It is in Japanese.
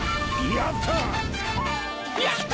やった！